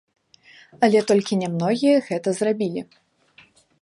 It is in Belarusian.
Але толькі нямногія гэта зрабілі.